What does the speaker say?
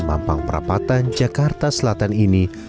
mampang perapatan jakarta selatan ini